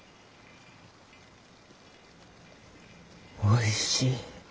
おいしい。